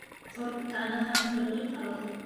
Ҡорт таныһаң, тотоп ал: